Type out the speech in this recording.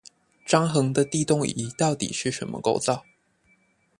張衡的地動儀到底是什麼構造？